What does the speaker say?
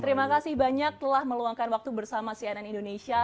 terima kasih banyak telah meluangkan waktu bersama cnn indonesia